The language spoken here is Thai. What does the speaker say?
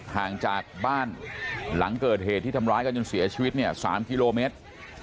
ห่างจากบ้านหลังเกิดเหตุที่ทำร้ายกันจนเสียชีวิตเนี่ย๓กิโลเมตร